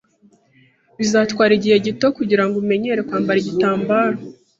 Bizatwara igihe gito kugirango umenyere kwambara igitambaro.